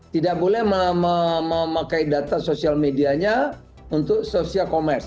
tidak boleh memakai data sosial medianya untuk social commerce